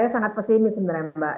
saya sangat pesimis sebenarnya mbak